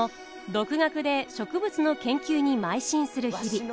独学で植物の研究にまい進する日々。